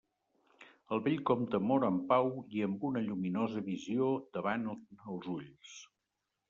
El vell comte mor en pau i amb una lluminosa visió davant els ulls.